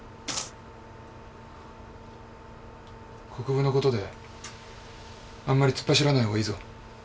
国府のことであんまり突っ走らないほうがいいぞ。